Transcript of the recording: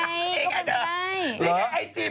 พี่อยู่ด้วยพอดี